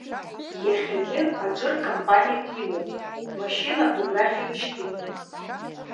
Иахьагьы Аџыр кампаниак имоуп, машьынак убрахь ирышьҭит.